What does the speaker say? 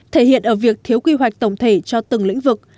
thể hiện ở việc thiếu quy hoạch tổng thể cho từng lĩnh vực